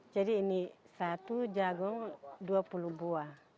jadi ini satu jagung dua puluh buah